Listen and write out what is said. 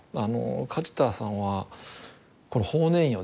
梶田さんはこの法然院をですね